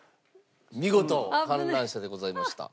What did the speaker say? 見事観覧車でございました。